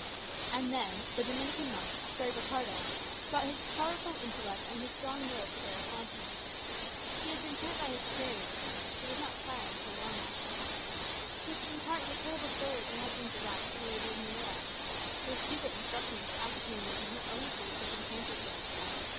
And then the Dominican monk, Fray Ricardo, brought his powerful intellect and his strong will to bear upon him. He had been sent by his superiors (he was not prior until long afterwards) to impart the terrible story of her husband's arrest to the Lady of Nuera, with secret instructions to ascertain whether her own faith had been tampered with.